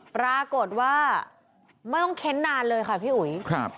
ปรากฏว่าไม่ต้องเค้นนานเลยค่ะพี่อุ๋ยครับ